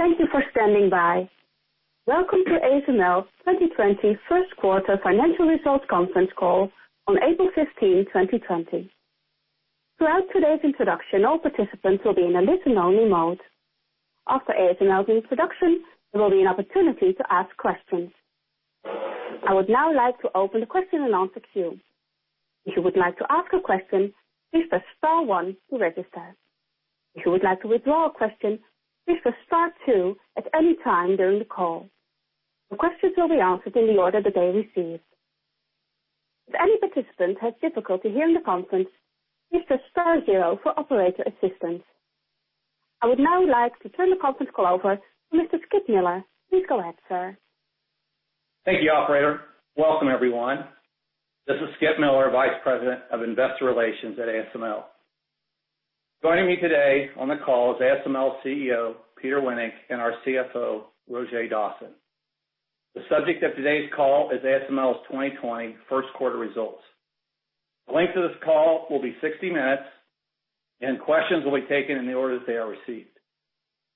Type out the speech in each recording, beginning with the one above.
Thank you for standing by. Welcome to ASML's 2020 first quarter financial results conference call on April 15, 2020. Throughout today's introduction, all participants will be in a listen-only mode. After ASML's introduction, there will be an opportunity to ask questions. I would now like to open the question and answer queue. If you would like to ask a question, please press star one to register. If you would like to withdraw a question, please press star two at any time during the call. Your questions will be answered in the order that they're received. If any participant has difficulty hearing the conference, please press star zero for operator assistance. I would now like to turn the conference call over to Mr. Skip Miller. Please go ahead, sir. Thank you, operator. Welcome, everyone. This is Skip Miller, Vice President of Investor Relations at ASML. Joining me today on the call is ASML CEO, Peter Wennink, and our CFO, Roger Dassen. The subject of today's call is ASML's 2020 first quarter results. The length of this call will be 60 minutes. Questions will be taken in the order that they are received.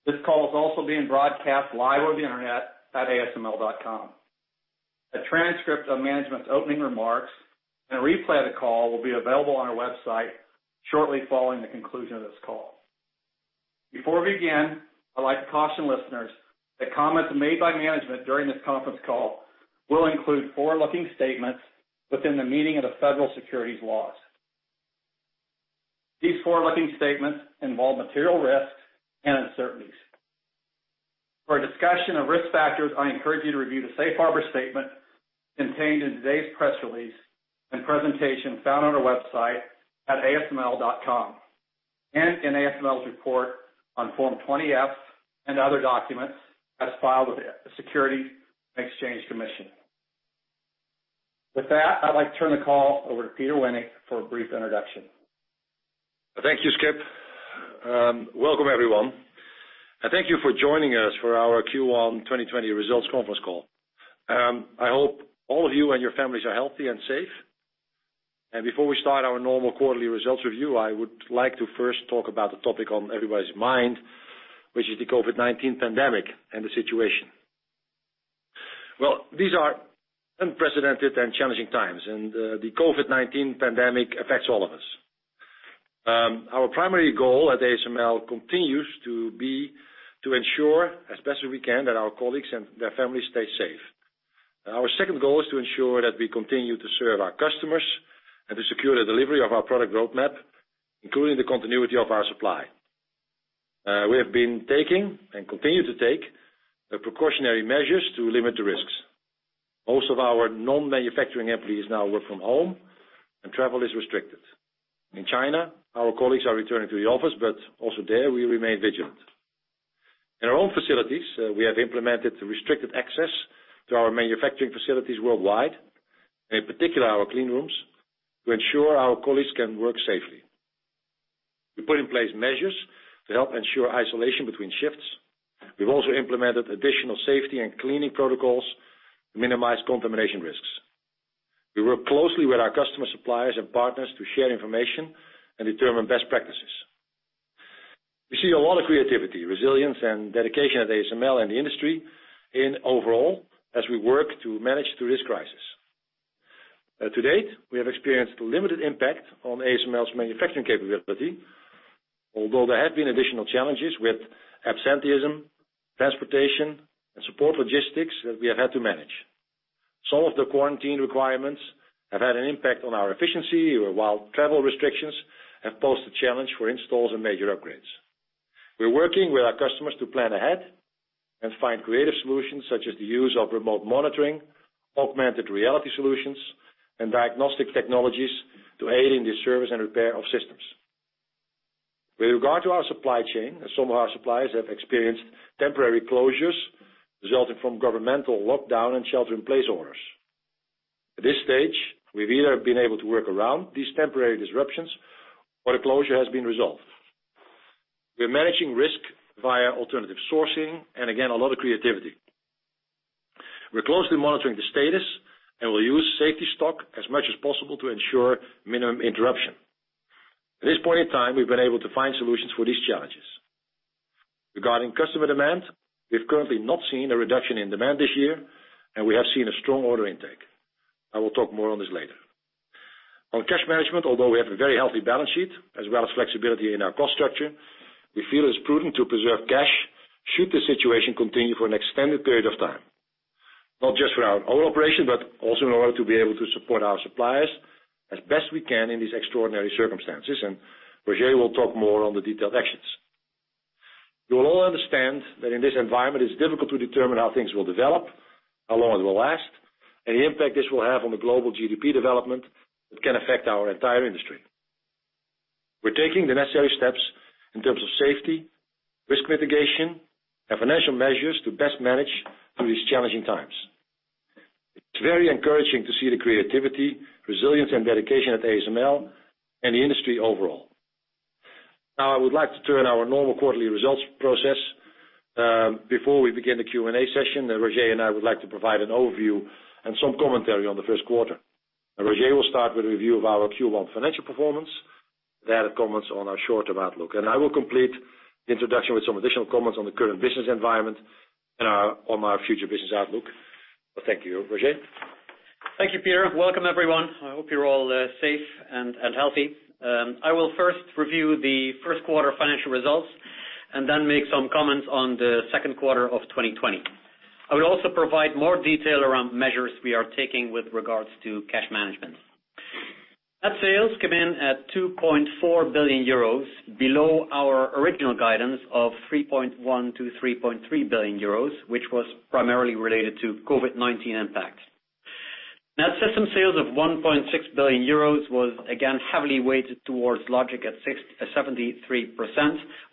This call is also being broadcast live over the internet at asml.com. A transcript of management's opening remarks and a replay of the call will be available on our website shortly following the conclusion of this call. Before we begin, I'd like to caution listeners that comments made by management during this conference call will include forward-looking statements within the meaning of the federal securities laws. These forward-looking statements involve material risks and uncertainties. For a discussion of risk factors, I encourage you to review the safe harbor statement contained in today's press release and presentation found on our website at asml.com, and in ASML's report on Form 20-F and other documents as filed with the Securities and Exchange Commission. With that, I'd like to turn the call over to Peter Wennink for a brief introduction. Thank you, Skip. Welcome everyone, and thank you for joining us for our Q1 2020 results conference call. I hope all of you and your families are healthy and safe. Before we start our normal quarterly results review, I would like to first talk about the topic on everybody's mind, which is the COVID-19 pandemic and the situation. Well, these are unprecedented and challenging times, and the COVID-19 pandemic affects all of us. Our primary goal at ASML continues to be to ensure, as best as we can, that our colleagues and their families stay safe. Our second goal is to ensure that we continue to serve our customers and to secure the delivery of our product roadmap, including the continuity of our supply. We have been taking and continue to take the precautionary measures to limit the risks. Most of our non-manufacturing employees now work from home and travel is restricted. In China, our colleagues are returning to the office, but also there, we remain vigilant. In our own facilities, we have implemented restricted access to our manufacturing facilities worldwide, and in particular our clean rooms, to ensure our colleagues can work safely. We put in place measures to help ensure isolation between shifts. We've also implemented additional safety and cleaning protocols to minimize contamination risks. We work closely with our customer suppliers and partners to share information and determine best practices. We see a lot of creativity, resilience, and dedication at ASML and the industry in overall as we work to manage through this crisis. To date, we have experienced limited impact on ASML's manufacturing capability, although there have been additional challenges with absenteeism, transportation, and support logistics that we have had to manage. Some of the quarantine requirements have had an impact on our efficiency, or while travel restrictions have posed a challenge for installs and major upgrades. We're working with our customers to plan ahead and find creative solutions, such as the use of remote monitoring, augmented reality solutions, and diagnostic technologies to aid in the service and repair of systems. With regard to our supply chain, some of our suppliers have experienced temporary closures resulting from governmental lockdown and shelter-in-place orders. At this stage, we've either been able to work around these temporary disruptions or the closure has been resolved. We're managing risk via alternative sourcing and again, a lot of creativity. We're closely monitoring the status and will use safety stock as much as possible to ensure minimum interruption. At this point in time, we've been able to find solutions for these challenges. Regarding customer demand, we've currently not seen a reduction in demand this year, and we have seen a strong order intake. I will talk more on this later. On cash management, although we have a very healthy balance sheet, as well as flexibility in our cost structure, we feel it's prudent to preserve cash should the situation continue for an extended period of time, not just for our own operation, but also in order to be able to support our suppliers as best we can in these extraordinary circumstances, and Roger will talk more on the detailed actions. You will all understand that in this environment, it's difficult to determine how things will develop, how long it will last, and the impact this will have on the global GDP development that can affect our entire industry. We're taking the necessary steps in terms of safety, risk mitigation, and financial measures to best manage through these challenging times. It's very encouraging to see the creativity, resilience, and dedication at ASML and the industry overall. Before we begin the Q&A session, Roger and I would like to provide an overview and some commentary on the first quarter. Roger will start with a review of our Q1 financial performance, comments on our short-term outlook. I will complete the introduction with some additional comments on the current business environment and on our future business outlook. Well, thank you. Roger? Thank you, Peter. Welcome, everyone. I hope you're all safe and healthy. I will first review the first quarter financial results, and then make some comments on the second quarter of 2020. I will also provide more detail around measures we are taking with regards to cash management. Net sales came in at 2.4 billion euros, below our original guidance of 3.1 billion-3.3 billion euros, which was primarily related to COVID-19 impacts. Net system sales of 1.6 billion euros was again heavily weighted towards logic at 73%,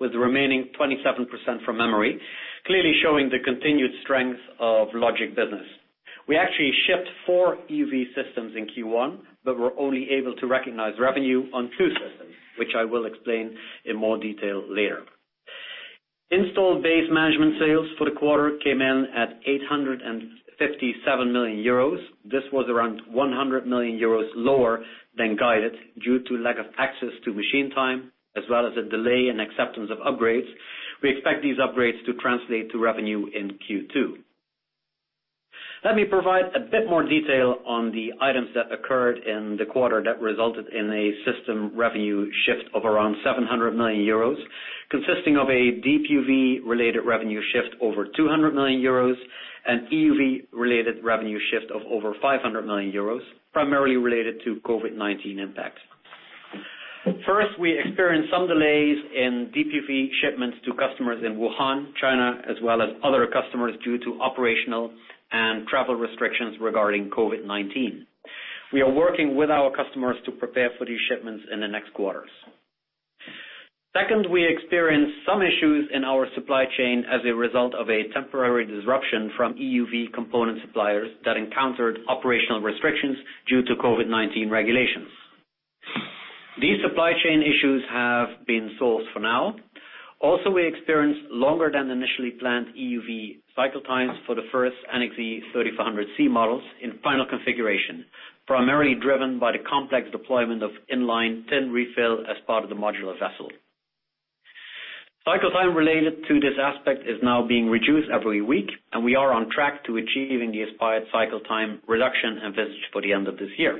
with the remaining 27% from memory, clearly showing the continued strength of logic business. We actually shipped four EUV systems in Q1, but were only able to recognize revenue on two systems, which I will explain in more detail later. Installed Base Management sales for the quarter came in at 857 million euros. This was around 100 million euros lower than guided, due to lack of access to machine time, as well as a delay in acceptance of upgrades. We expect these upgrades to translate to revenue in Q2. Let me provide a bit more detail on the items that occurred in the quarter that resulted in a system revenue shift of around 700 million euros, consisting of a [Deep UV] related revenue shift over 200 million euros and EUV-related revenue shift of over 500 million euros, primarily related to COVID-19 impacts. First, we experienced some delays in [Deep UV] shipments to customers in Wuhan, China, as well as other customers due to operational and travel restrictions regarding COVID-19. We are working with our customers to prepare for these shipments in the next quarters. Second, we experienced some issues in our supply chain as a result of a temporary disruption from EUV component suppliers that encountered operational restrictions due to COVID-19 regulations. These supply chain issues have been solved for now. Also, we experienced longer than initially planned EUV cycle times for the first NXE:3400C models in final configuration, primarily driven by the complex deployment of in-line tin refill as part of the modular vessel. Cycle time related to this aspect is now being reduced every week, and we are on track to achieving the aspired cycle time reduction envisaged for the end of this year.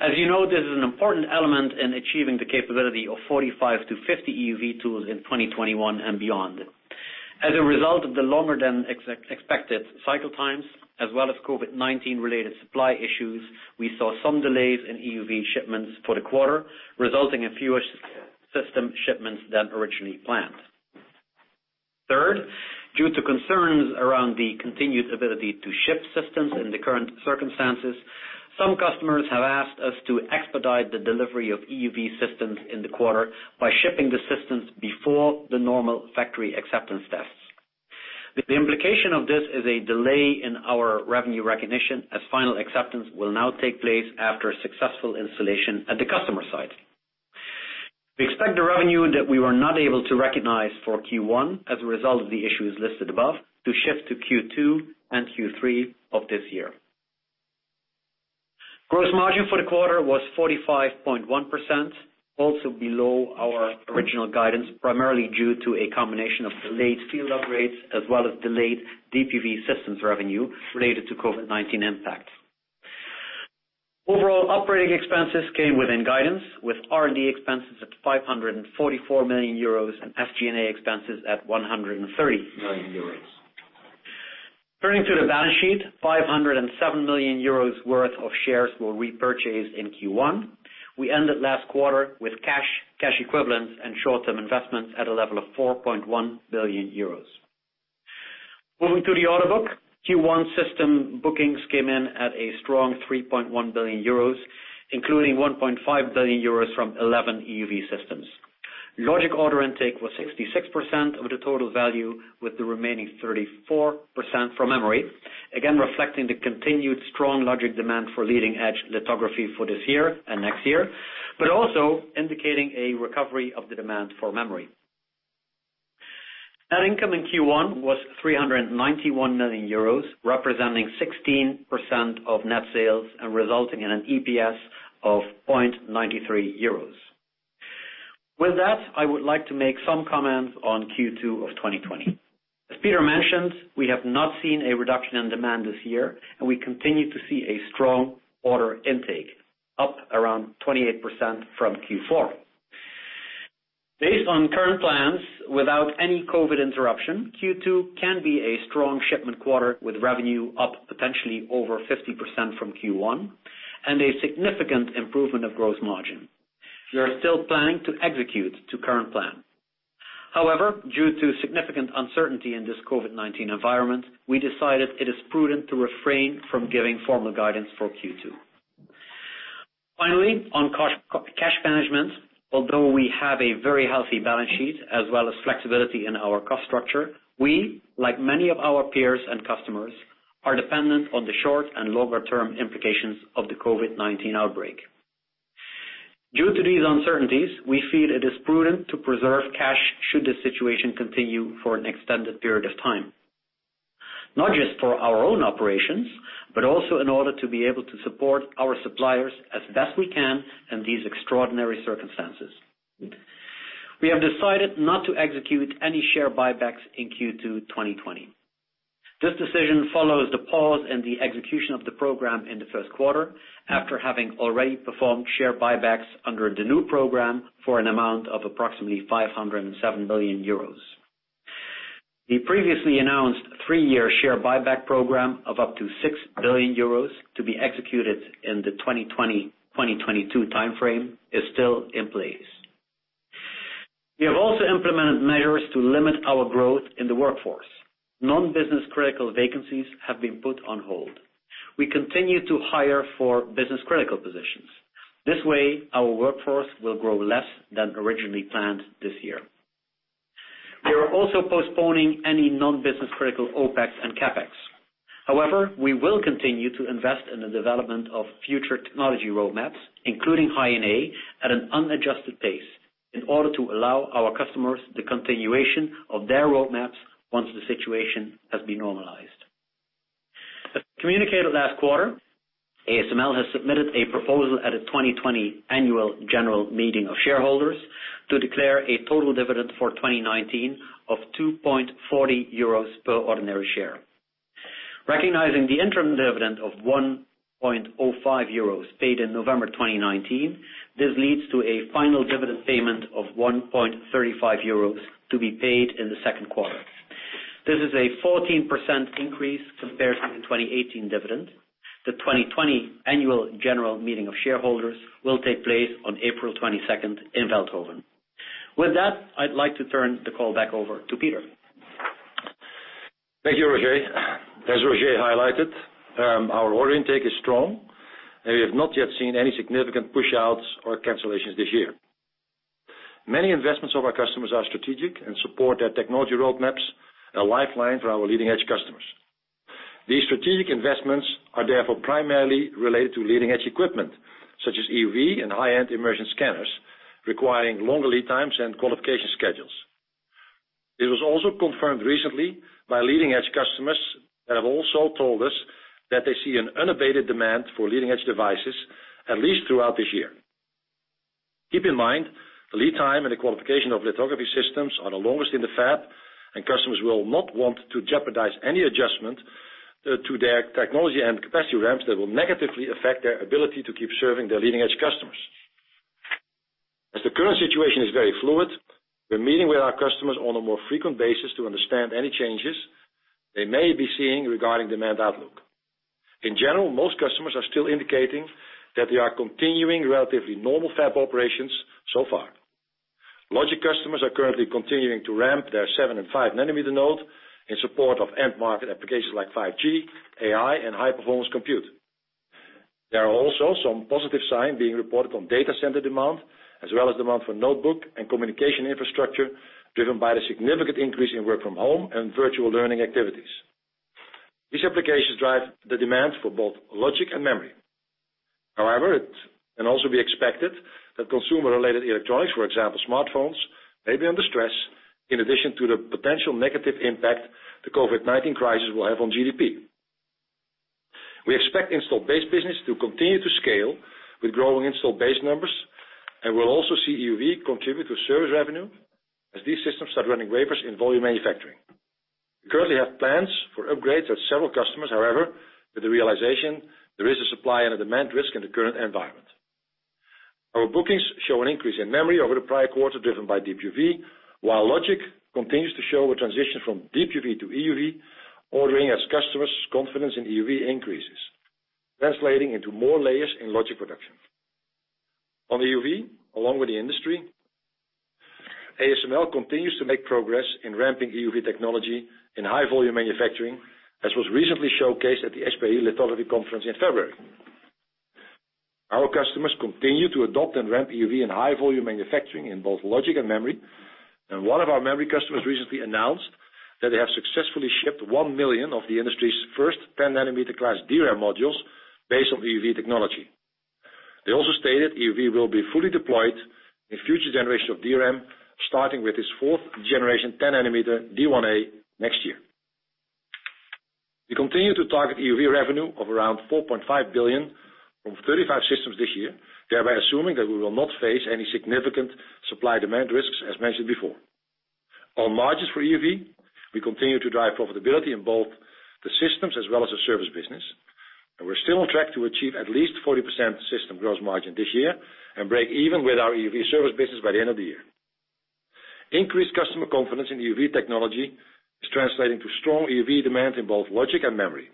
As you know, this is an important element in achieving the capability of 45 to 50 EUV tools in 2021 and beyond. As a result of the longer than expected cycle times, as well as COVID-19 related supply issues, we saw some delays in EUV shipments for the quarter, resulting in fewer system shipments than originally planned. Third, due to concerns around the continued ability to ship systems in the current circumstances, some customers have asked us to expedite the delivery of EUV systems in the quarter by shipping the systems before the normal factory acceptance tests. The implication of this is a delay in our revenue recognition, as final acceptance will now take place after a successful installation at the customer site. We expect the revenue that we were not able to recognize for Q1 as a result of the issues listed above to shift to Q2 and Q3 of this year. Gross margin for the quarter was 45.1%, also below our original guidance, primarily due to a combination of delayed field upgrades as well as delayed [Deep UV] systems revenue related to COVID-19 impact. Overall operating expenses came within guidance, with R&D expenses at 544 million euros and SG&A expenses at 130 million euros. Turning to the balance sheet, 507 million euros worth of shares were repurchased in Q1. We ended last quarter with cash equivalents, and short-term investments at a level of 4.1 billion euros. Moving to the order book, Q1 system bookings came in at a strong 3.1 billion euros, including 1.5 billion euros from 11 EUV systems. Logic order intake was 66% of the total value, with the remaining 34% from memory, again reflecting the continued strong logic demand for leading-edge lithography for this year and next year, but also indicating a recovery of the demand for memory. Net income in Q1 was EUR 391 million, representing 16% of net sales and resulting in an EPS of 0.93 euros. With that, I would like to make some comments on Q2 of 2020. As Peter mentioned, we have not seen a reduction in demand this year, and we continue to see a strong order intake, up around 28% from Q4. Based on current plans, without any COVID-19 interruption, Q2 can be a strong shipment quarter with revenue up potentially over 50% from Q1, and a significant improvement of gross margin. We are still planning to execute to current plan. However, due to significant uncertainty in this COVID-19 environment, we decided it is prudent to refrain from giving formal guidance for Q2. Finally, on cash management, although we have a very healthy balance sheet as well as flexibility in our cost structure, we, like many of our peers and customers, are dependent on the short- and longer-term implications of the COVID-19 outbreak. Due to these uncertainties, we feel it is prudent to preserve cash should the situation continue for an extended period of time. Not just for our own operations, but also in order to be able to support our suppliers as best we can in these extraordinary circumstances. We have decided not to execute any share buybacks in Q2 2020. This decision follows the pause in the execution of the program in the first quarter, after having already performed share buybacks under the new program for an amount of approximately 507 million euros. The previously announced three-year share buyback program of up to 6 billion euros to be executed in the 2020, 2022 timeframe is still in place. We have also implemented measures to limit our growth in the workforce. Non-business critical vacancies have been put on hold. We continue to hire for business-critical positions. This way, our workforce will grow less than originally planned this year. We are also postponing any non-business critical OpEx and CapEx. However, we will continue to invest in the development of future technology roadmaps, including High-NA at an unadjusted pace in order to allow our customers the continuation of their roadmaps once the situation has been normalized. As communicated last quarter, ASML has submitted a proposal at a 2020 annual general meeting of shareholders to declare a total dividend for 2019 of 2.40 euros per ordinary share. Recognizing the interim dividend of 1.05 euros paid in November 2019, this leads to a final dividend payment of 1.35 euros to be paid in the second quarter. This is a 14% increase compared to the 2018 dividend. The 2020 annual general meeting of shareholders will take place on April 22nd in Veldhoven. With that, I'd like to turn the call back over to Peter. Thank you, Roger. As Roger highlighted, our order intake is strong. We have not yet seen any significant push-outs or cancellations this year. Many investments of our customers are strategic and support their technology roadmaps, a lifeline for our leading-edge customers. These strategic investments are therefore primarily related to leading-edge equipment, such as EUV and high-end immersion scanners, requiring longer lead times and qualification schedules. It was also confirmed recently by leading-edge customers that have also told us that they see an unabated demand for leading-edge devices at least throughout this year. Keep in mind, the lead time and the qualification of lithography systems are the longest in the fab. Customers will not want to jeopardize any adjustment to their technology and capacity ramps that will negatively affect their ability to keep serving their leading-edge customers. As the current situation is very fluid, we're meeting with our customers on a more frequent basis to understand any changes they may be seeing regarding demand outlook. In general, most customers are still indicating that they are continuing relatively normal fab operations so far. Logic customers are currently continuing to ramp their seven and five nanometer node in support of end market applications like 5G, AI, and high-performance compute. There are also some positive signs being reported on data center demand, as well as demand for notebook and communication infrastructure driven by the significant increase in work from home and virtual learning activities. These applications drive the demand for both logic and memory. It can also be expected that consumer-related electronics, for example, smartphones, may be under stress in addition to the potential negative impact the COVID-19 crisis will have on GDP. We expect installed base business to continue to scale with growing installed base numbers, and we'll also see EUV contribute to service revenue as these systems start running wafers in volume manufacturing. We currently have plans for upgrades with several customers. However, with the realization there is a supply and a demand risk in the current environment. Our bookings show an increase in memory over the prior quarter driven by Deep UV, while Logic continues to show a transition from Deep UV to EUV, ordering as customers' confidence in EUV increases, translating into more layers in logic production. On EUV, along with the industry, ASML continues to make progress in ramping EUV technology in high-volume manufacturing, as was recently showcased at the SPIE Lithography Conference in February. Our customers continue to adopt and ramp EUV in high-volume manufacturing in both logic and memory. One of our memory customers recently announced that they have successfully shipped 1 million of the industry's first 10-nanometer class DRAM modules based on EUV technology. They also stated EUV will be fully deployed in future generations of DRAM, starting with its fourth-generation 10-nanometer D1A next year. We continue to target EUV revenue of around 4.5 billion from 35 systems this year, thereby assuming that we will not face any significant supply-demand risks, as mentioned before. On margins for EUV, we continue to drive profitability in both the systems as well as the service business, and we're still on track to achieve at least 40% system gross margin this year and break even with our EUV service business by the end of the year. Increased customer confidence in EUV technology is translating to strong EUV demand in both logic and memory.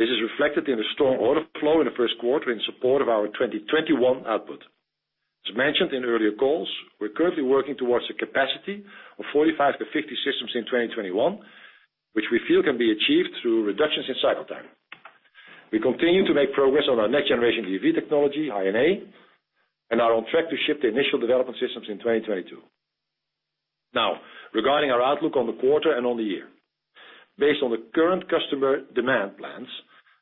This is reflected in the strong order flow in the first quarter in support of our 2021 output. As mentioned in earlier calls, we're currently working towards a capacity of 45-50 systems in 2021, which we feel can be achieved through reductions in cycle time. We continue to make progress on our next-generation EUV technology, High-NA, and are on track to ship the initial development systems in 2022. Regarding our outlook on the quarter and on the year. Based on the current customer demand plans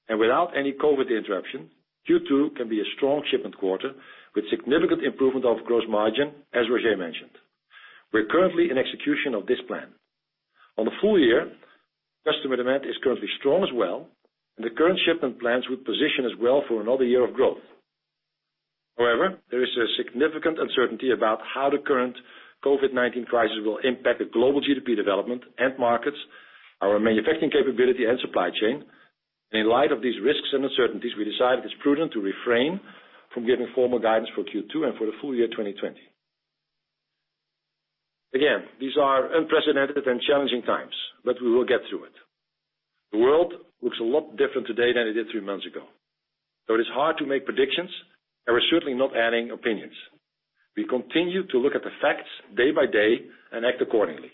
and without any COVID interruption, Q2 can be a strong shipment quarter with significant improvement of gross margin, as Roger mentioned. We're currently in execution of this plan. On the full year, customer demand is currently strong as well, and the current shipment plans would position us well for another year of growth. However, there is a significant uncertainty about how the current COVID-19 crisis will impact the global GDP development, end markets, our manufacturing capability and supply chain. In light of these risks and uncertainties, we decided it's prudent to refrain from giving formal guidance for Q2 and for the full year 2020. Again, these are unprecedented and challenging times, but we will get through it. The world looks a lot different today than it did three months ago. It is hard to make predictions, and we're certainly not adding opinions. We continue to look at the facts day by day and act accordingly.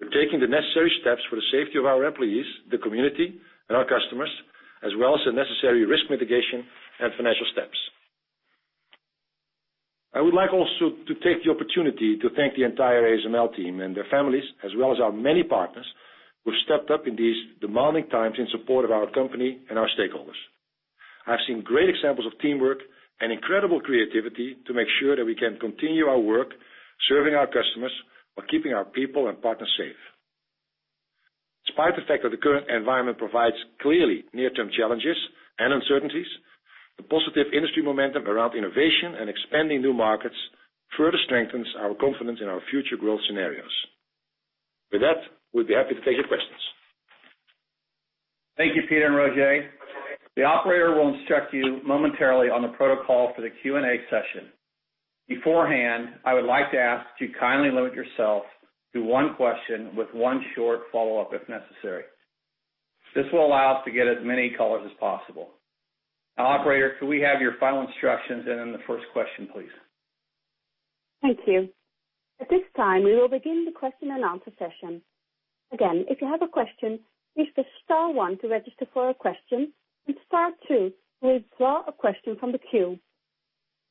We're taking the necessary steps for the safety of our employees, the community, and our customers, as well as the necessary risk mitigation and financial steps. I would like also to take the opportunity to thank the entire ASML team and their families, as well as our many partners, who've stepped up in these demanding times in support of our company and our stakeholders. I've seen great examples of teamwork and incredible creativity to make sure that we can continue our work serving our customers while keeping our people and partners safe. Despite the fact that the current environment provides clearly near-term challenges and uncertainties, the positive industry momentum around innovation and expanding new markets further strengthens our confidence in our future growth scenarios. With that, we'd be happy to take your questions. Thank you, Peter and Roger. The operator will instruct you momentarily on the protocol for the Q&A session. Beforehand, I would like to ask that you kindly limit yourself to one question with one short follow-up if necessary. This will allow us to get as many callers as possible. Operator, could we have your final instructions and then the first question, please? Thank you. At this time, we will begin the question and answer session. Again, if you have a question, please press star one to register for a question, and star two to withdraw a question from the queue.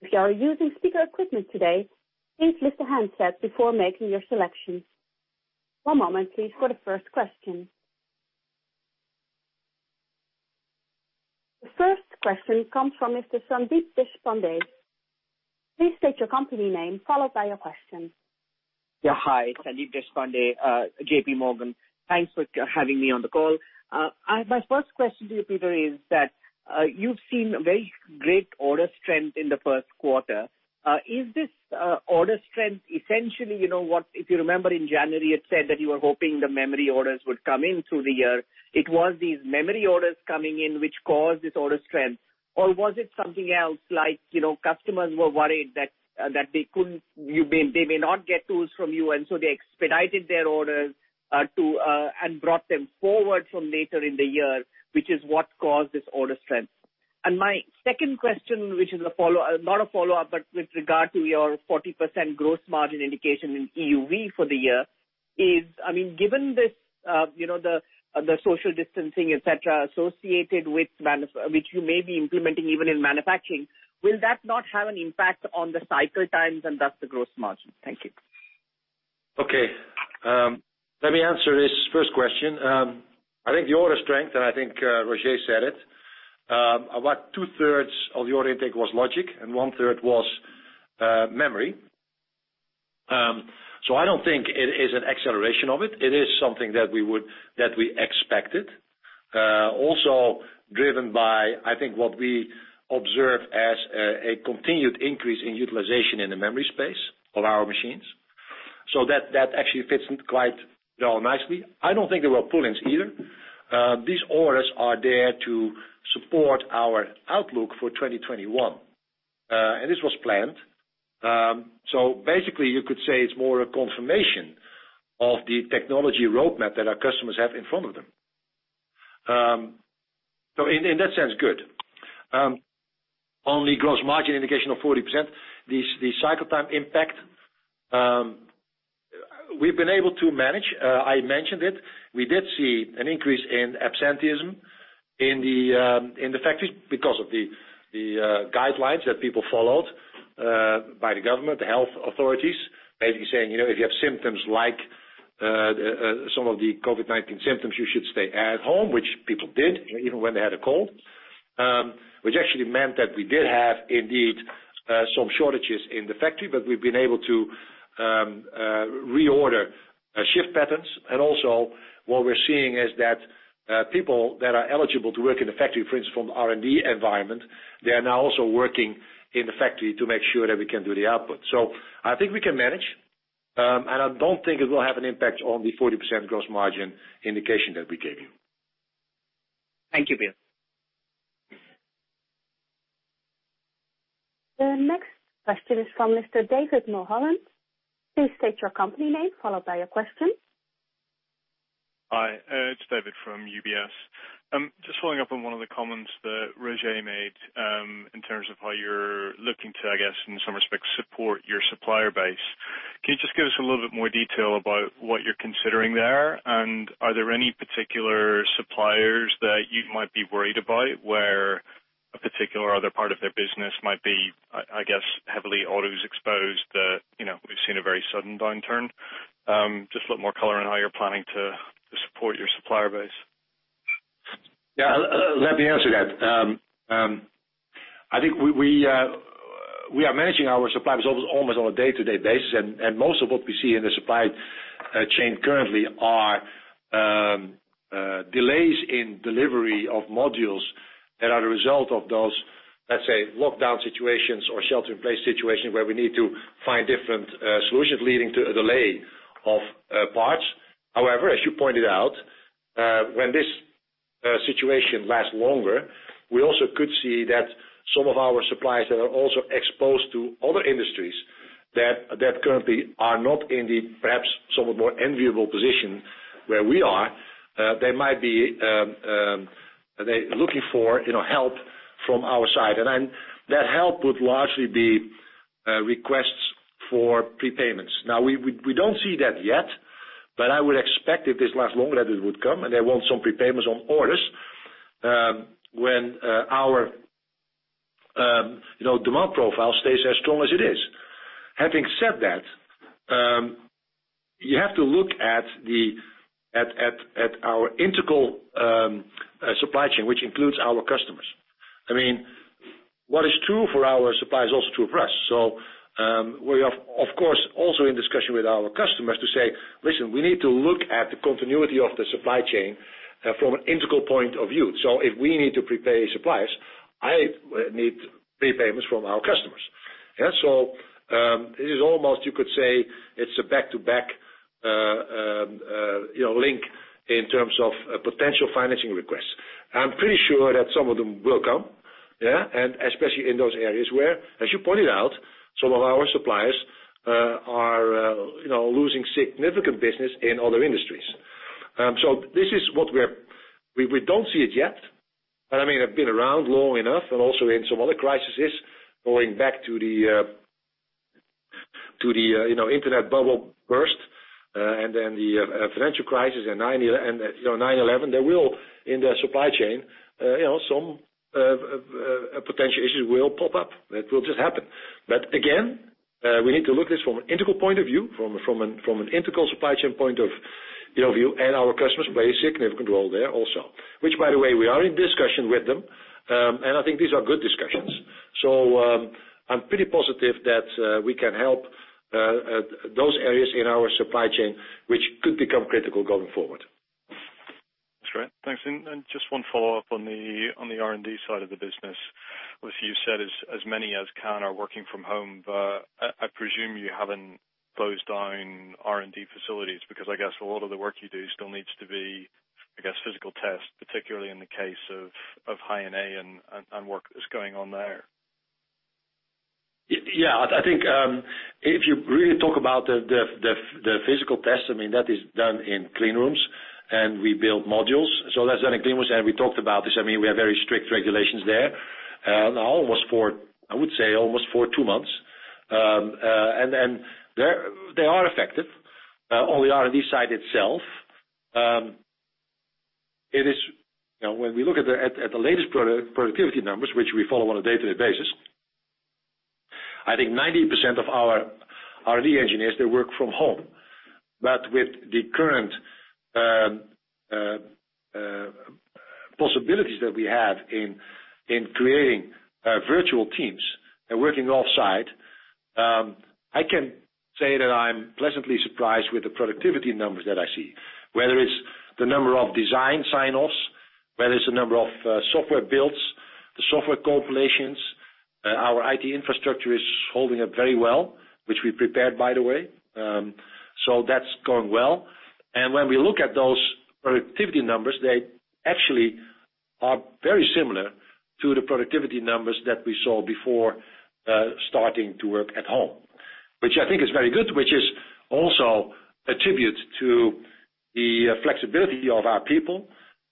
If you are using speaker equipment today, please lift the handset before making your selection. One moment, please, for the first question. The first question comes from Mr. Sandeep Deshpande. Please state your company name, followed by your question. Hi, Sandeep Deshpande, JPMorgan. Thanks for having me on the call. My first question to you, Peter, is that you've seen very great order strength in the first quarter. Is this order strength essentially what, if you remember in January, you had said that you were hoping the memory orders would come in through the year. It was these memory orders coming in which caused this order strength. Was it something else like customers were worried that they may not get tools from you, and so they expedited their orders, and brought them forward from later in the year, which is what caused this order strength? My second question, which is not a follow-up, but with regard to your 40% gross margin indication in EUV for the year is, given the social distancing, et cetera, associated with which you may be implementing even in manufacturing, will that not have an impact on the cycle times and thus the gross margin? Thank you. Let me answer this first question. I think the order strength, and I think Roger said it, about two-thirds of the order intake was logic and one-third was memory. I don't think it is an acceleration of it. It is something that we expected. Also driven by, I think, what we observe as a continued increase in utilization in the memory space of our machines. That actually fits in quite nicely. I don't think there were pull-ins either. These orders are there to support our outlook for 2021. This was planned. Basically, you could say it's more a confirmation of the technology roadmap that our customers have in front of them. In that sense, good. On the gross margin indication of 40%, the cycle time impact, we've been able to manage. I mentioned it. We did see an increase in absenteeism in the factories because of the guidelines that people followed by the government, the health authorities, basically saying, if you have symptoms like some of the COVID-19 symptoms, you should stay at home, which people did, even when they had a cold, which actually meant that we did have indeed some shortages in the factory. We've been able to reorder shift patterns, and also what we're seeing is that people that are eligible to work in the factory, for instance, from the R&D environment, they are now also working in the factory to make sure that we can do the output. I think we can manage, and I don't think it will have an impact on the 40% gross margin indication that we gave you. Thank you, Peter. The next question is from Mr. David Mulholland. Please state your company name, followed by your question. Hi. It's David from UBS. Just following up on one of the comments that Roger made, in terms of how you're looking to, I guess, in some respects, support your supplier base. Can you just give us a little bit more detail about what you're considering there? Are there any particular suppliers that you might be worried about where particular other part of their business might be, I guess, heavily autos exposed that we've seen a very sudden downturn. Just a lot more color on how you're planning to support your supplier base. Yeah. Let me answer that. I think we are managing our suppliers almost on a day-to-day basis, and most of what we see in the supply chain currently are delays in delivery of modules that are the result of those, let's say, lockdown situations or shelter-in-place situations where we need to find different solutions leading to a delay of parts. However, as you pointed out, when this situation lasts longer, we also could see that some of our suppliers that are also exposed to other industries that currently are not in the, perhaps, somewhat more enviable position where we are, they might be looking for help from our side. That help would largely be requests for prepayments. Now, we don't see that yet, but I would expect if this lasts longer, that it would come, and they want some prepayments on orders when our demand profile stays as strong as it is. Having said that, you have to look at our integral supply chain, which includes our customers. I mean, what is true for our suppliers is also true for us. We are, of course, also in discussion with our customers to say, "Listen, we need to look at the continuity of the supply chain from an integral point of view. If we need to prepay suppliers, I need prepayments from our customers." Yeah. It is almost, you could say, it's a back-to-back link in terms of potential financing requests. I'm pretty sure that some of them will come, yeah, and especially in those areas where, as you pointed out, some of our suppliers are losing significant business in other industries. We don't see it yet, but, I mean, I've been around long enough and also in some other crises going back to the internet bubble burst, and then the financial crisis, and 9/11. There will, in the supply chain, some potential issues will pop up. That will just happen. Again, we need to look this from an integral point of view, from an integral supply chain point of view, and our customers play a significant role there also. Which, by the way, we are in discussion with them, and I think these are good discussions. I'm pretty positive that we can help those areas in our supply chain which could become critical going forward. That's right. Thanks. Just one follow-up on the R&D side of the business. If you said as many as can are working from home, I presume you haven't closed down R&D facilities. I guess a lot of the work you do still needs to be, I guess, physical tests, particularly in the case of High-NA and work that's going on there. Yeah. I think, if you really talk about the physical tests, I mean, that is done in clean rooms, and we build modules. That's done in clean rooms, and we talked about this. I mean, we have very strict regulations there, and almost for, I would say, almost for two months. They are effective. On the R&D side itself, when we look at the latest productivity numbers, which we follow on a day-to-day basis, I think 90% of our R&D engineers, they work from home. With the current possibilities that we have in creating virtual teams and working offsite, I can say that I'm pleasantly surprised with the productivity numbers that I see, whether it's the number of design sign-offs, whether it's the number of software builds, the software compilations. Our IT infrastructure is holding up very well, which we prepared, by the way. That's going well. When we look at those productivity numbers, they actually are very similar to the productivity numbers that we saw before starting to work at home, which I think is very good, which is also a tribute to the flexibility of our people.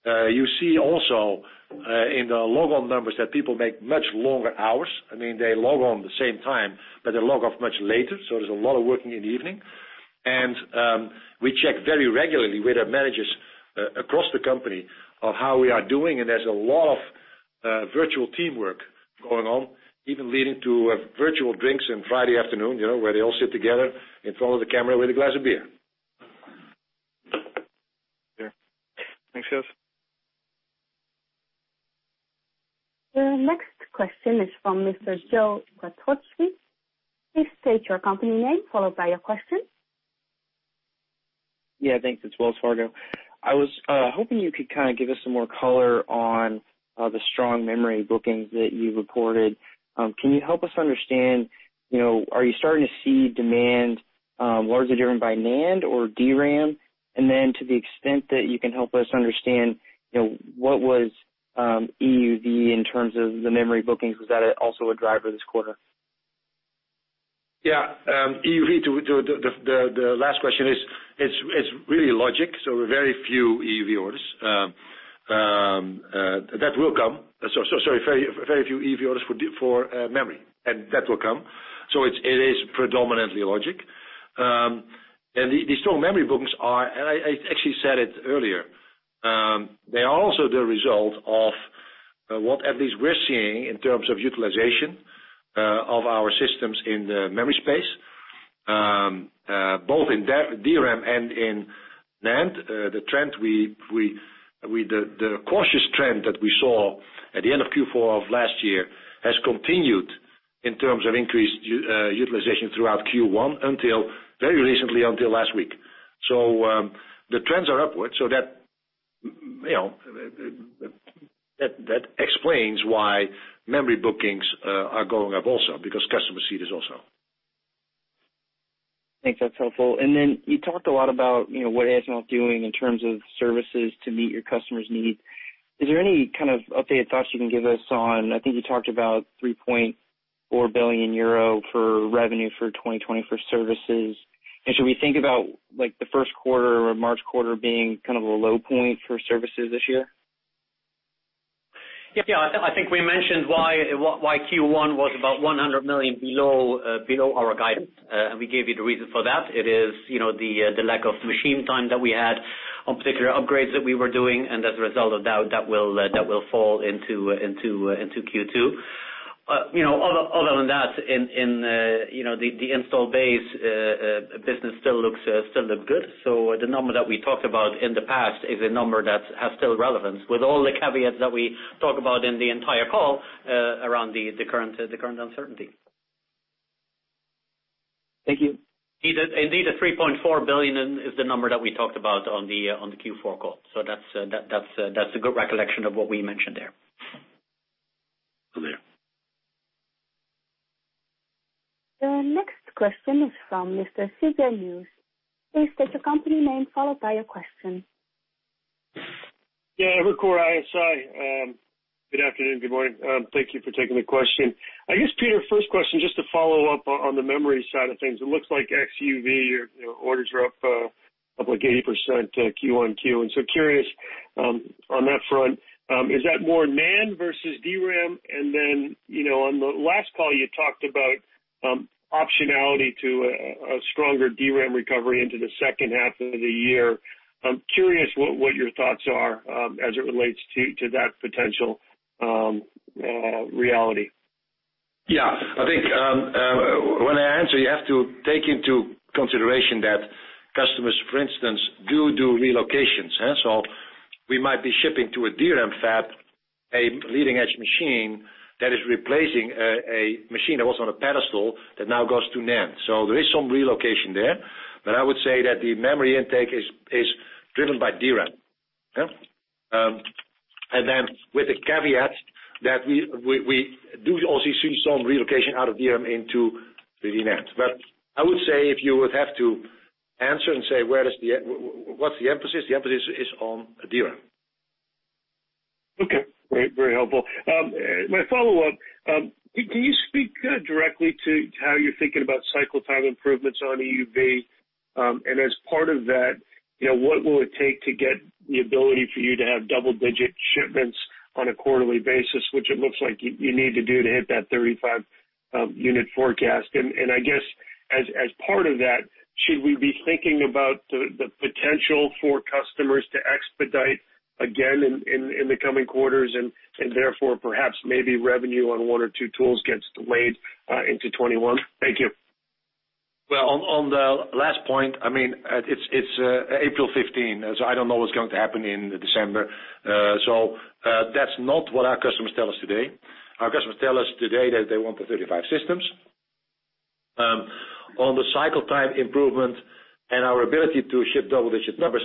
You see also in the log on numbers that people make much longer hours. I mean, they log on the same time, but they log off much later, so there's a lot of working in the evening. We check very regularly with our managers across the company of how we are doing, and there's a lot of virtual teamwork going on, even leading to virtual drinks in Friday afternoon, where they all sit together in front of the camera with a glass of beer. Sure. Thanks, guys. The next question is from Mr. Joe Quatrochi. Please state your company name, followed by your question. Yeah. Thanks. It is Wells Fargo. I was hoping you could kind of give us some more color on the strong memory bookings that you reported. Can you help us understand, are you starting to see demand largely driven by NAND or DRAM? To the extent that you can help us understand, what was EUV in terms of the memory bookings? Was that also a driver this quarter? Yeah. EUV, the last question is, it's really logic, so very few EUV orders. That will come. Sorry, very few EUV orders for memory, and that will come. It is predominantly logic. The strong memory bookings are, I actually said it earlier. They are also the result of what at least we're seeing in terms of utilization of our systems in the memory space, both in DRAM and in NAND. The cautious trend that we saw at the end of Q4 of last year has continued in terms of increased utilization throughout Q1 until very recently, until last week. The trends are upward, so that explains why memory bookings are going up also because customers see this also. Thanks that's helpful. Then you talked a lot about what ASML is doing in terms of services to meet your customers' needs. Is there any kind of updated thoughts you can give us on, I think you talked about 3.4 billion euro for revenue for 2020 for services. Should we think about the first quarter or March quarter being kind of a low point for services this year? I think we mentioned why Q1 was about 100 million below our guidance. We gave you the reason for that. It is the lack of machine time that we had on particular upgrades that we were doing. As a result of that will fall into Q2. Other than that, the install base business still looked good. The number that we talked about in the past is a number that has still relevance with all the caveats that we talk about in the entire call, around the current uncertainty. Thank you. Indeed, the 3.4 billion is the number that we talked about on the Q4 call. That's a good recollection of what we mentioned there. Clear. The next question is from Mr. C.J. Muse. Please state your company name followed by your question. Yeah. Evercore ISI. Good afternoon, good morning. Thank you for taking the question. I guess, Peter, first question, just to follow up on the memory side of things. It looks like EUV orders are up like 80% Q1 Q. Curious, on that front, is that more NAND versus DRAM? On the last call, you talked about optionality to a stronger DRAM recovery into the second half of the year. I'm curious what your thoughts are, as it relates to that potential reality. Yeah. I think, when I answer, you have to take into consideration that customers, for instance, do relocations. We might be shipping to a DRAM fab, a leading-edge machine that is replacing a machine that was on a pedestal that now goes to NAND. There is some relocation there, but I would say that the memory intake is driven by DRAM. Yeah? Then with the caveat that we do also see some relocation out of DRAM into the NAND. I would say if you would have to answer and say what's the emphasis? The emphasis is on DRAM. Okay. Great. Very helpful. My follow-up, can you speak directly to how you're thinking about cycle time improvements on EUV? As part of that, what will it take to get the ability for you to have double-digit shipments on a quarterly basis, which it looks like you need to do to hit that 35-unit forecast. I guess as part of that, should we be thinking about the potential for customers to expedite again in the coming quarters, and therefore, perhaps maybe revenue on one or two tools gets delayed into 2021? Thank you. Well, on the last point, it's April 15. I don't know what's going to happen in December. That's not what our customers tell us today. Our customers tell us today that they want the 35 systems. On the cycle time improvement and our ability to ship double-digit numbers,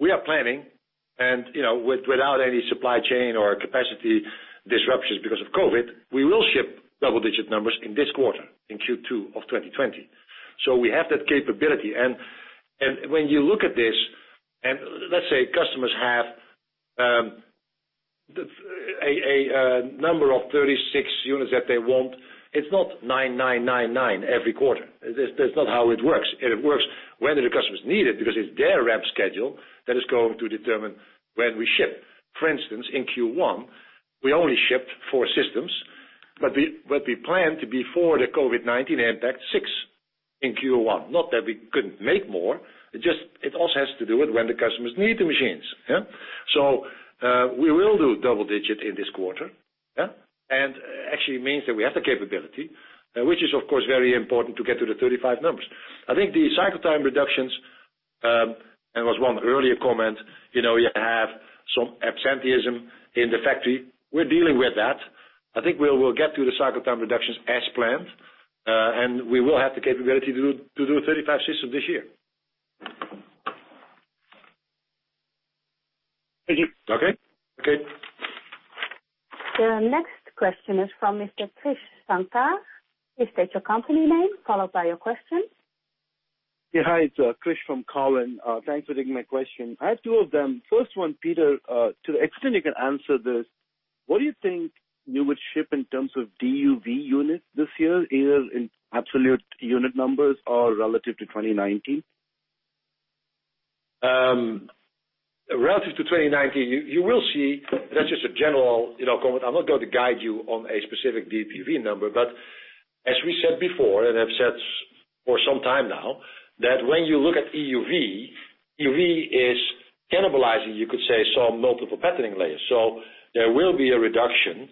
we are planning. Without any supply chain or capacity disruptions because of COVID-19, we will ship double-digit numbers in this quarter, in Q2 of 2020. We have that capability. When you look at this, and let's say customers have a number of 36 units that they want. It's not 9,999 every quarter. That's not how it works. It works when the customers need it because it's their ramp schedule that is going to determine when we ship. For instance, in Q1, we only shipped four systems. We planned before the COVID-19 impact, six in Q1. Not that we couldn't make more, it also has to do with when the customers need the machines. Yeah? We will do double-digit in this quarter. Yeah? Actually means that we have the capability, which is of course very important to get to the 35 numbers. I think the cycle time reductions, and there was one earlier comment, you have some absenteeism in the factory. We're dealing with that. I think we will get to the cycle time reductions as planned. We will have the capability to do 35 systems this year. Thank you. Okay. Okay. The next question is from Mr. Krish Sankar. Please state your company name followed by your question. Yeah. Hi, it's Krish from Cowen. Thanks for taking my question. I have two of them. First one, Peter, to the extent you can answer this, what do you think you would ship in terms of DUV units this year, either in absolute unit numbers or relative to 2019? Relative to 2019, you will see that's just a general comment. I'm not going to guide you on a specific DUV number. As we said before, and have said for some time now, that when you look at EUV is cannibalizing, you could say, some multiple patterning layers. There will be a reduction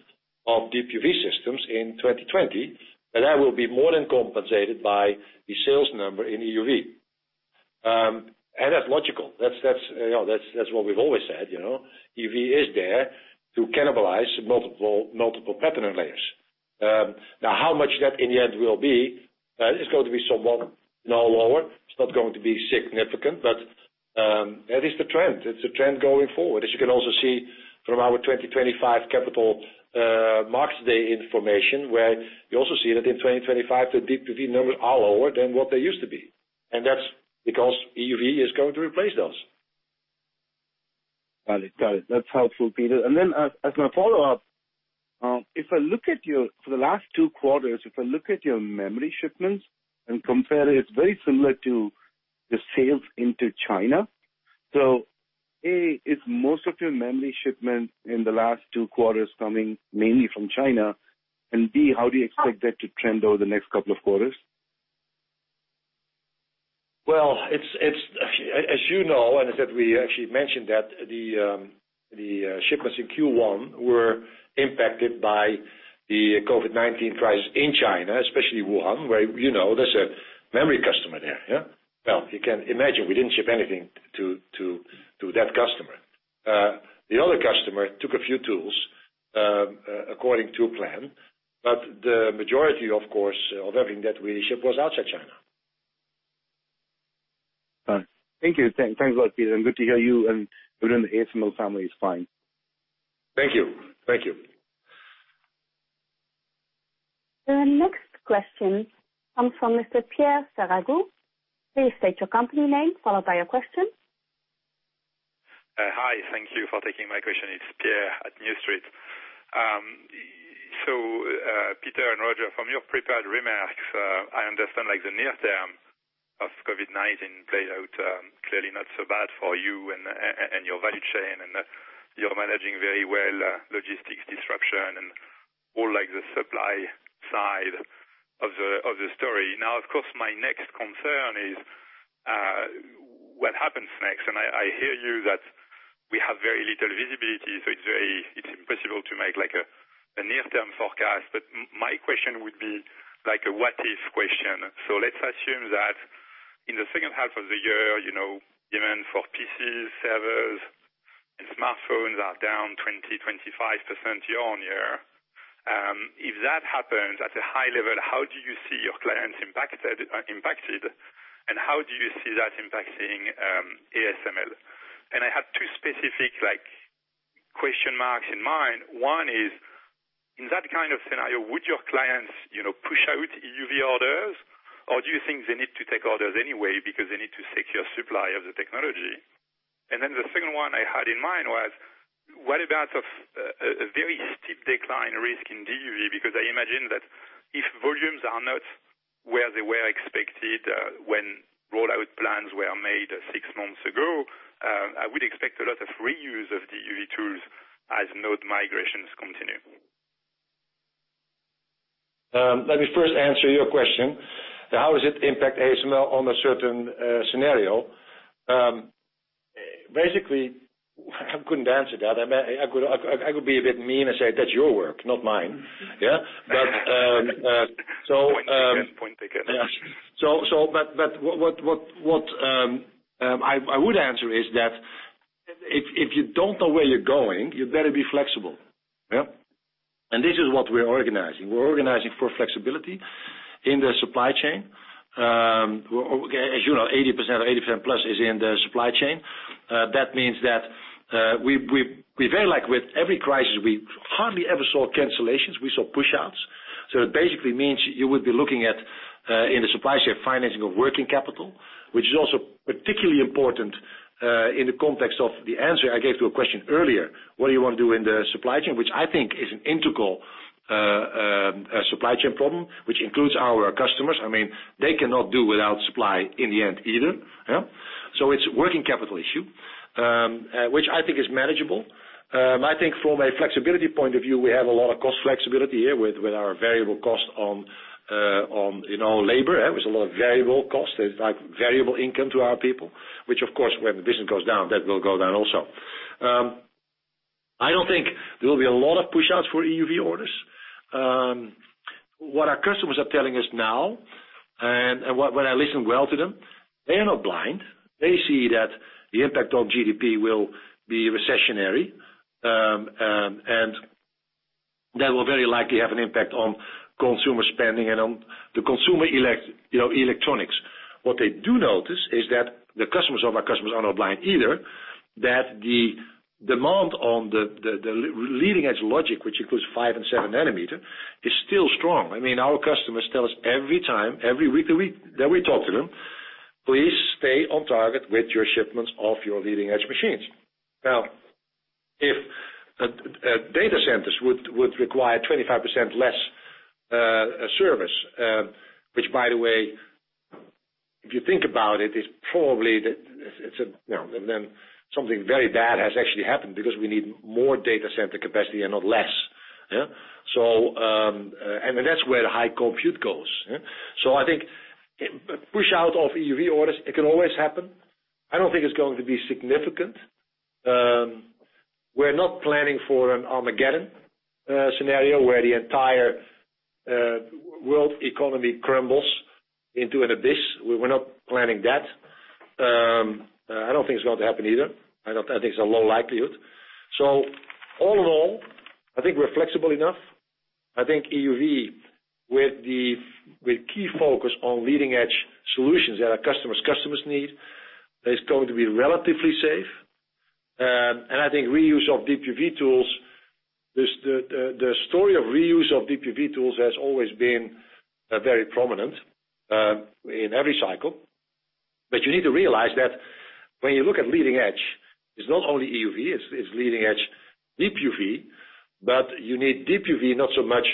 of [Deep UV] systems in 2020. That will be more than compensated by the sales number in EUV. That's logical. That's what we've always said. EUV is there to cannibalize multiple patterning layers. How much that in the end will be? It's going to be somewhat lower. It's not going to be significant. That is the trend. It's a trend going forward. As you can also see from our 2025 Capital Markets Day information, where you also see that in 2025, the [Deep UV] numbers are lower than what they used to be. That's because EUV is going to replace those. Got it. That's helpful, Peter. Then as my follow-up, for the last two quarters, if I look at your memory shipments and compare it's very similar to the sales into China. A, is most of your memory shipments in the last two quarters coming mainly from China? B, how do you expect that to trend over the next couple of quarters? Well, as you know, and as that we actually mentioned that the shipments in Q1 were impacted by the COVID-19 crisis in China, especially Wuhan, where there's a memory customer there. Well, you can imagine we didn't ship anything to that customer. The other customer took a few tools according to plan, but the majority, of course, of everything that we ship was outside China. Thank you. Thanks a lot, Peter. Good to hear you and within the ASML family is fine. Thank you. The next question comes from Mr. Pierre Ferragu. Please state your company name, followed by your question. Hi. Thank you for taking my question. It's Pierre at New Street. Peter and Roger, from your prepared remarks, I understand the near term of COVID-19 played out clearly not so bad for you and your value chain and that you're managing very well logistics disruption, and more like the supply side of the story. Of course, my next concern is what happens next? I hear you that we have very little visibility, so it's impossible to make a near-term forecast. My question would be a what if question. Let's assume that in the second half of the year, demand for PCs, servers, and smartphones are down 20%, 25% year-over-year. If that happens at a high level, how do you see your clients impacted? How do you see that impacting ASML? I have two specific question marks in mind. One is, in that kind of scenario, would your clients push out EUV orders? Do you think they need to take orders anyway because they need to secure supply of the technology? The second one I had in mind was, what about a very steep decline risk in DUV? I imagine that if volumes are not where they were expected when rollout plans were made six months ago, I would expect a lot of reuse of the EUV tools as node migrations continue. Let me first answer your question. How does it impact ASML on a certain scenario? Basically, I couldn't answer that. I could be a bit mean and say, "That's your work, not mine." Yeah? Point taken. Yeah. What I would answer is that if you don't know where you're going, you better be flexible. This is what we're organizing. We're organizing for flexibility in the supply chain. As you know, 80% or 80% + is in the supply chain. That means that we very like with every crisis, we hardly ever saw cancellations, we saw push-outs. It basically means you would be looking at, in the supply chain financing of working capital. Which is also particularly important, in the context of the answer I gave to a question earlier, what do you want to do in the supply chain? Which I think is an integral supply chain problem, which includes our customers. They cannot do without supply in the end either. It's a working capital issue, which I think is manageable. I think from a flexibility point of view, we have a lot of cost flexibility here with our variable cost on labor. There is a lot of variable cost. There's variable income to our people, which of course, when the business goes down, that will go down also. I don't think there will be a lot of push-outs for EUV orders. What our customers are telling us now and when I listen well to them, they are not blind. They see that the impact on GDP will be recessionary, and that will very likely have an impact on consumer spending and on the consumer electronics. What they do notice is that the customers of our customers are not blind either, that the demand on the leading-edge logic, which includes five and seven nanometer, is still strong. Our customers tell us every time, every week that we talk to them, "Please stay on target with your shipments of your leading-edge machines." Data centers would require 25% less service. By the way, if you think about it, probably something very bad has actually happened because we need more data center capacity and not less. That's where the high compute goes. I think push-out of EUV orders, it can always happen. I don't think it's going to be significant. We're not planning for an Armageddon scenario where the entire world economy crumbles into an abyss. We're not planning that. I don't think it's going to happen either. I think it's a low likelihood. All in all, I think we're flexible enough. I think EUV, with key focus on leading-edge solutions that our customers' customers need, is going to be relatively safe. I think reuse of Deep UV tools, the story of reuse of Deep UV tools has always been very prominent in every cycle. You need to realize that when you look at leading edge, it's not only EUV, it's leading edge Deep UV, but you need Deep UV not so much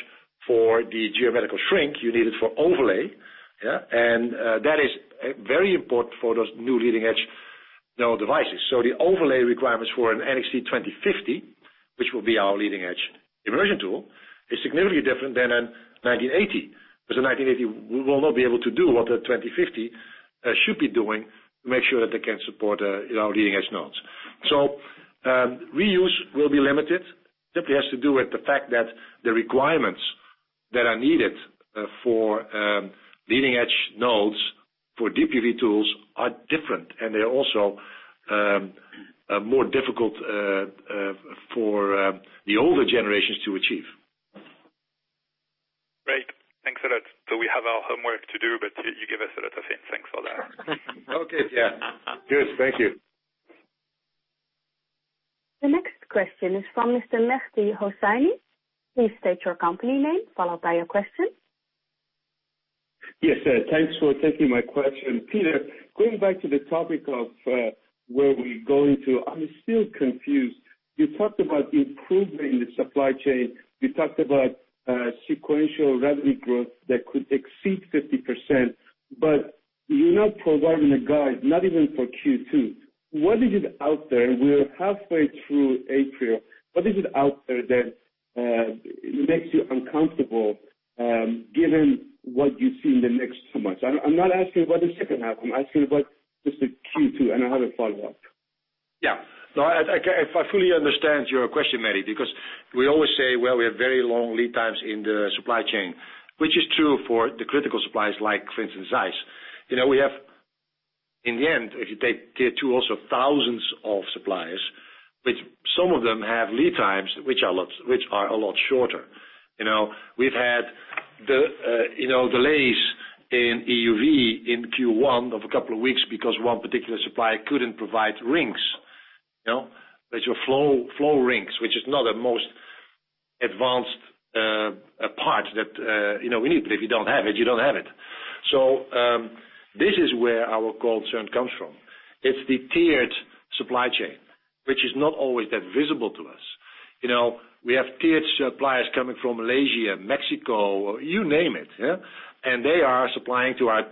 for the geometrical shrink, you need it for overlay. That is very important for those new leading-edge node devices. The overlay requirements for an NXT:2050i, which will be our leading-edge immersion tool, is significantly different than a 1980. A 1980 will not be able to do what a 2050 should be doing to make sure that they can support our leading-edge nodes. Reuse will be limited. Simply has to do with the fact that the requirements that are needed for leading-edge nodes for Deep UV tools are different, and they're also more difficult for the older generations to achieve. Great. Thanks a lot. We have our homework to do, but you give us a lot of things. Thanks for that. Okay. Yeah. Cheers. Thank you. The next question is from Mr. Mehdi Hosseini. Please state your company name, followed by your question. Yes, sir. Thanks for taking my question. Peter, going back to the topic of where we're going to, I'm still confused. You talked about improving the supply chain. You talked about sequential revenue growth that could exceed 50%, but you're not providing a guide, not even for Q2. What is it out there? We're halfway through April. What is it out there that makes you uncomfortable, given what you see in the next two months? I'm not asking about the second half. I'm asking about just the Q2, and I have a follow-up. Yeah. If I fully understand your question, Mehdi. We always say, well, we have very long lead times in the supply chain, which is true for the critical suppliers like, for instance, ZEISS. In the end, if you take tier two, also thousands of suppliers, which some of them have lead times, which are a lot shorter. We've had delays in EUV in Q1 of a couple of weeks because one particular supplier couldn't provide rings. Those are flow rings, which is not the most advanced part that we need. If you don't have it, you don't have it. This is where our concern comes from. It's the tiered supply chain, which is not always that visible to us. We have tiered suppliers coming from Malaysia, Mexico, you name it. They are supplying to our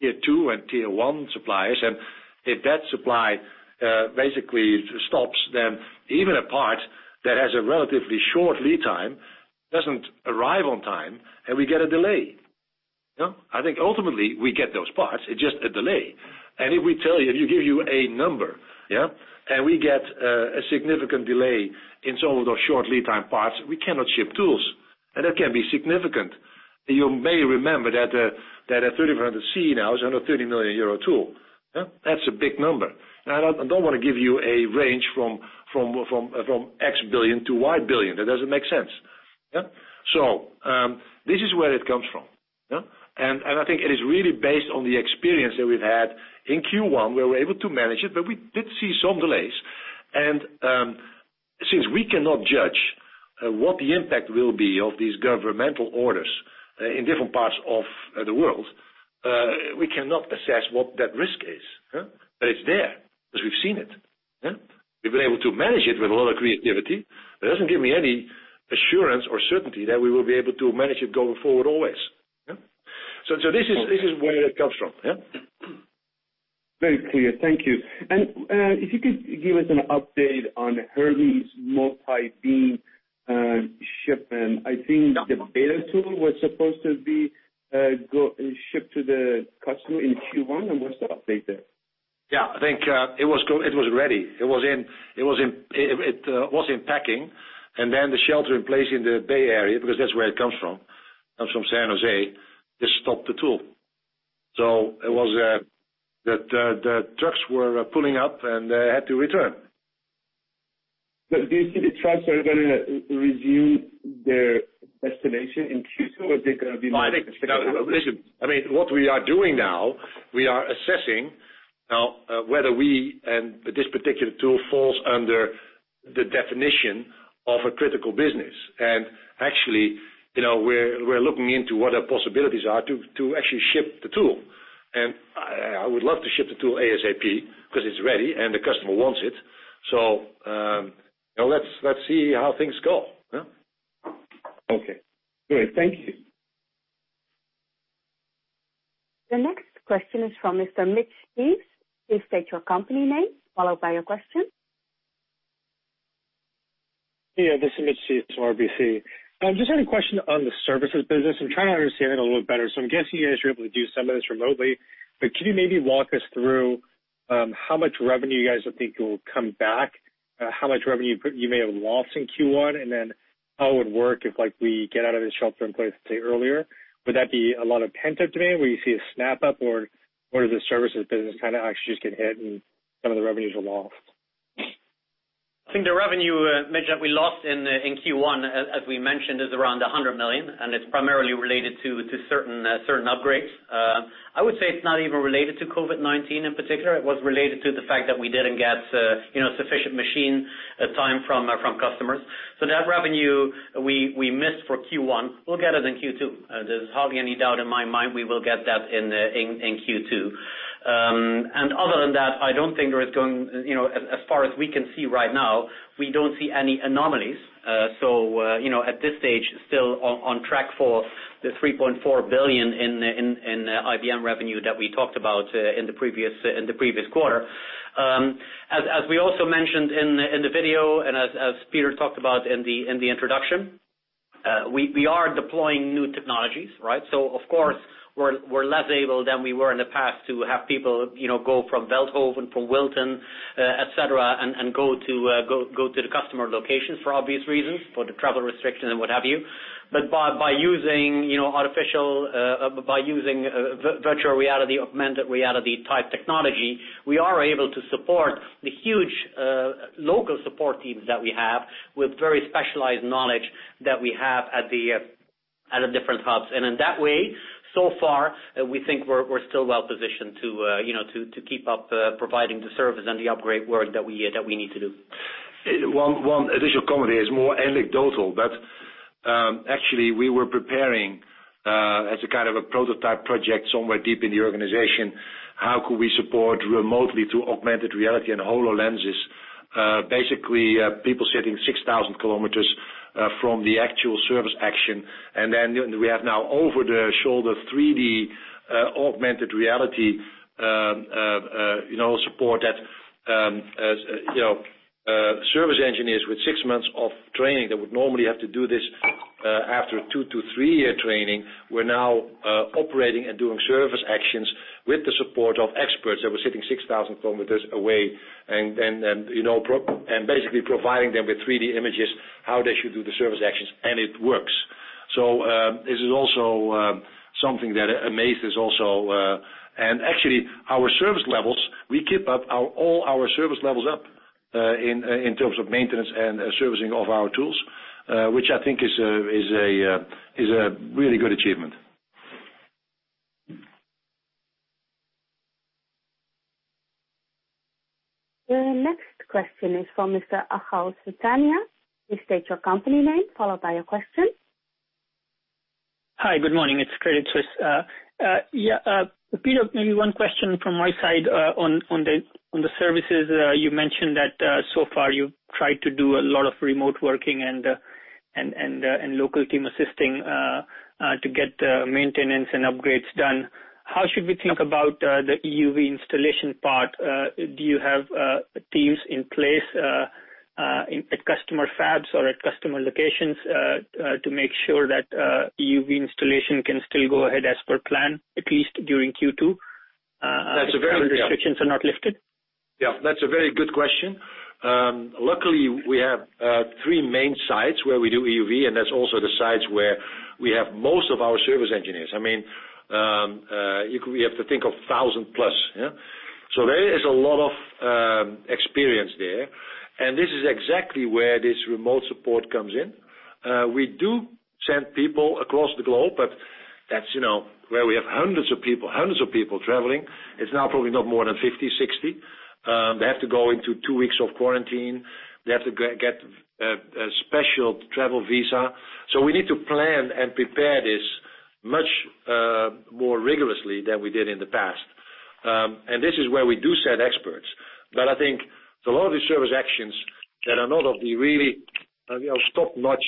tier two and tier one suppliers. If that supply basically stops them, even a part that has a relatively short lead time doesn't arrive on time, and we get a delay. I think ultimately we get those parts, it's just a delay. If we tell you, if we give you a number, and we get a significant delay in some of those short lead time parts, we cannot ship tools. That can be significant. You may remember that a 3400C now is under a 30 million euro tool. That's a big number. I don't want to give you a range from X billion to Y billion. That doesn't make sense. This is where it comes from. I think it is really based on the experience that we've had in Q1, where we were able to manage it, but we did see some delays. Since we cannot judge what the impact will be of these governmental orders in different parts of the world, we cannot assess what that risk is. It's there, because we've seen it. We've been able to manage it with a lot of creativity. That doesn't give me any assurance or certainty that we will be able to manage it going forward, always. This is where it comes from. Very clear. Thank you. If you could give us an update on [Hermes] Multi-Beam shipment. I think the beta tool was supposed to be shipped to the customer in Q1, and what's the update there? Yeah. I think it was ready. It was in packing, then the shelter in place in the Bay Area, because that's where it comes from. Comes from San Jose. They stopped the tool. The trucks were pulling up, and they had to return. Do you think the trucks are going to review their destination in Q2? Listen. This particular tool falls under the definition of a critical business. Actually, we're looking into what our possibilities are to actually ship the tool. I would love to ship the tool ASAP because it's ready and the customer wants it. Let's see how things go. Okay. Great. Thank you. The next question is from Mr. Mitch Steves. Please state your company name, followed by your question. Yeah, this is Mitch Steves from RBC. I'm just had a question on the services business. I'm trying to understand it a little bit better. I'm guessing you guys are able to do some of this remotely. Could you maybe walk us through how much revenue you guys would think will come back, how much revenue you may have lost in Q1? How it would work if we get out of this shelter in place, say earlier, would that be a lot of pent-up demand where you see a snap-up or does the services business kind of actually just get hit and some of the revenues are lost? I think the revenue, Mitch, that we lost in Q1, as we mentioned, is around 100 million, and it's primarily related to certain upgrades. I would say it's not even related to COVID-19 in particular. It was related to the fact that we didn't get sufficient machine time from customers. That revenue we missed for Q1, we'll get it in Q2. There's hardly any doubt in my mind we will get that in Q2. Other than that, as far as we can see right now, we don't see any anomalies. At this stage, still on track for the 3.4 billion in IBM revenue that we talked about in the previous quarter. As we also mentioned in the video, and as Peter talked about in the introduction, we are deploying new technologies, right? Of course, we're less able than we were in the past to have people go from Veldhoven, from Wilton, et cetera, and go to the customer locations for obvious reasons, for the travel restriction and what have you. By using virtual reality, augmented reality-type technology, we are able to support the huge local support teams that we have with very specialized knowledge that we have at the different hubs. In that way, so far, we think we're still well-positioned to keep up providing the service and the upgrade work that we need to do. One additional comment here. It's more anecdotal, but actually, we were preparing, as a kind of a prototype project somewhere deep in the organization, how could we support remotely through augmented reality and HoloLens. Basically, people sitting 6,000 kilometers from the actual service action, and then we have now over-the-shoulder 3D augmented reality support that service engineers with six months of training that would normally have to do this after a two to three-year training, were now operating and doing service actions with the support of experts that were sitting 6,000 km away, and basically providing them with 3D images, how they should do the service actions. It works. This is also something that amazed us also. Actually, our service levels, we keep up all our service levels up in terms of maintenance and servicing of our tools, which I think is a really good achievement. The next question is from Mr. Achal Sultania. Please state your company name, followed by your question. Hi. Good morning. It's Credit Suisse. Peter, maybe one question from my side on the services. You mentioned that so far you've tried to do a lot of remote working and local team assisting to get maintenance and upgrades done. How should we think about the EUV installation part? Do you have teams in place at customer fabs or at customer locations to make sure that EUV installation can still go ahead as per plan, at least during Q2. That's a— Travel restrictions are not lifted? Yeah, that's a very good question. Luckily, we have three main sites where we do EUV, and that's also the sites where we have most of our service engineers. We have to think of 1,000+. There is a lot of experience there, and this is exactly where this remote support comes in. We do send people across the globe, but that's where we have hundreds of people traveling. It's now probably not more than 50, 60. They have to go into two weeks of quarantine. They have to get a special travel visa. We need to plan and prepare this much more rigorously than we did in the past. This is where we do send experts. I think a lot of these service actions that are not of the really top-notch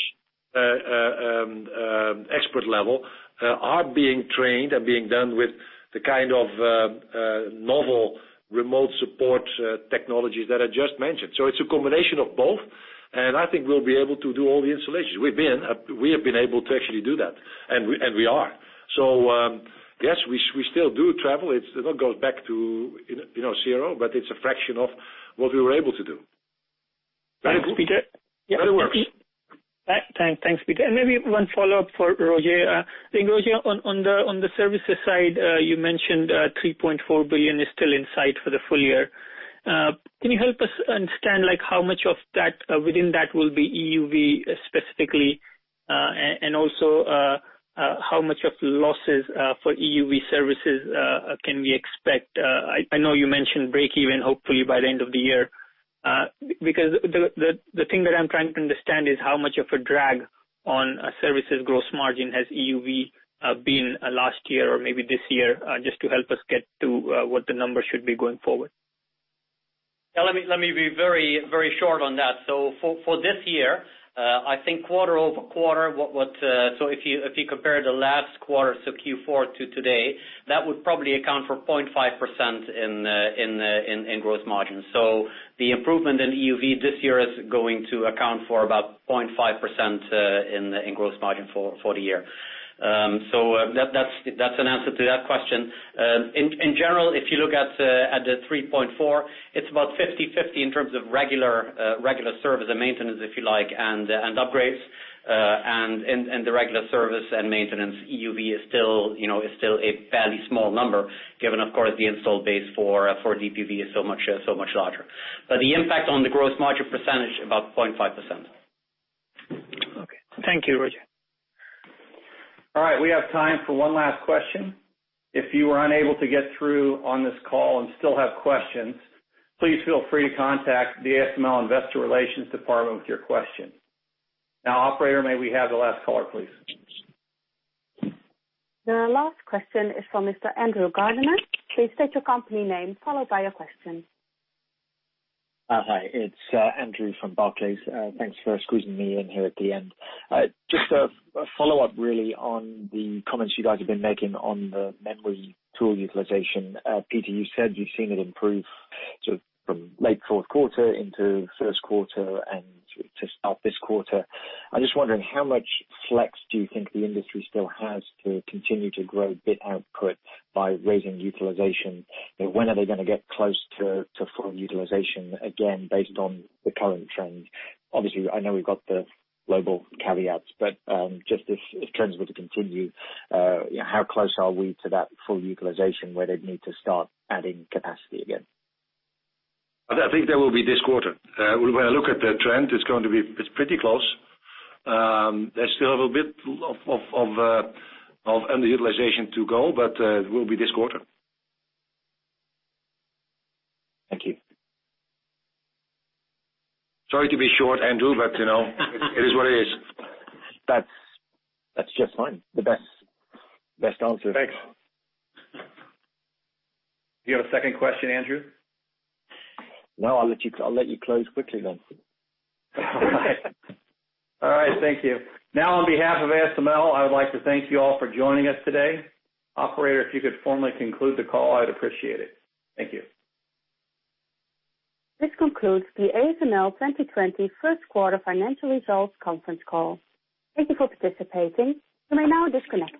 expert level are being trained and being done with the kind of novel remote support technologies that I just mentioned. It's a combination of both, and I think we'll be able to do all the installations. We have been able to actually do that, and we are. Yes, we still do travel. It's not going back to zero, but it's a fraction of what we were able to do. Thanks, Peter. It works. Thanks, Peter. Maybe one follow-up for Roger. I think, Roger, on the services side, you mentioned 3.4 billion is still in sight for the full year. Can you help us understand how much within that will be EUV specifically, and also how much of the losses for EUV services can we expect? I know you mentioned breakeven, hopefully by the end of the year. The thing that I'm trying to understand is how much of a drag on services gross margin has EUV been last year or maybe this year, just to help us get to what the numbers should be going forward. Let me be very short on that. For this year, I think quarter-over-quarter, if you compare the last quarter, Q4 to today, that would probably account for 0.5% in gross margin. The improvement in EUV this year is going to account for about 0.5% in gross margin for the year. That's an answer to that question. In general, if you look at the 3.4, it's about 50/50 in terms of regular service and maintenance, if you like, and upgrades. The regular service and maintenance EUV is still a fairly small number, given, of course, the install base for [Deep UV] is so much larger. The impact on the gross margin percentage, about 0.5%. Okay. Thank you, Roger. All right. We have time for one last question. If you were unable to get through on this call and still have questions, please feel free to contact the ASML investor relations department with your question. Operator, may we have the last caller, please? The last question is from Mr. Andrew Gardiner. Please state your company name, followed by your question. Hi. It's Andrew from Barclays. Thanks for squeezing me in here at the end. Just a follow-up, really, on the comments you guys have been making on the memory tool utilization. Peter, you said you've seen it improve sort of from late fourth quarter into first quarter and to start this quarter. I'm just wondering how much flex do you think the industry still has to continue to grow bit output by raising utilization? When are they going to get close to full utilization, again, based on the current trend? Obviously, I know we've got the global caveats, but just if trends were to continue, how close are we to that full utilization where they'd need to start adding capacity again? I think that will be this quarter. When I look at the trend, it's pretty close. There's still a bit of underutilization to go, but it will be this quarter. Thank you. Sorry to be short, Andrew, but you know, it is what it is. That's just fine. The best answer. Thanks. Do you have a second question, Andrew? No, I'll let you close quickly then. All right. Thank you. Now on behalf of ASML, I would like to thank you all for joining us today. Operator, if you could formally conclude the call, I'd appreciate it. Thank you. This concludes the ASML 2020 first quarter financial results conference call. Thank you for participating. You may now disconnect.